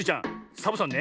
サボさんね